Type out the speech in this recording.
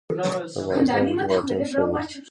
د افغانستان فوتبال ټیم ښه دی